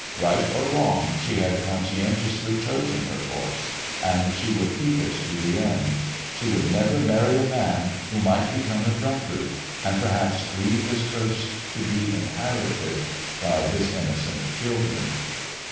Right or wrong, she had conscientiously chosen her course, and she would keep it to the end. She would never marry a man who might become a drunkard, and perhaps leave his curse to be inherited by his innocent children.